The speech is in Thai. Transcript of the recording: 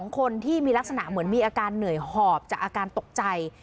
คนที่มีลักษณะเหมือนมีอาการเหนื่อยหอบจากอาการตกใจ